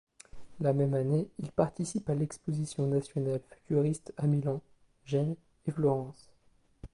La même année, il participe à l'Exposition nationale futuriste à Milan, Gênes et Florence.